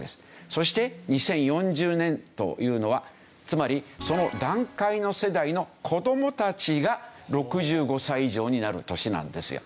そして２０４０年というのはつまりその団塊の世代の子どもたちが６５歳以上になる年なんですよ。